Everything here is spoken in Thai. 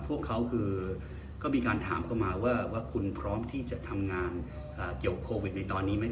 พวกเขาคือก็มีการถามเข้ามาว่าคุณพร้อมที่จะทำงานเกี่ยวโควิดในตอนนี้ไหม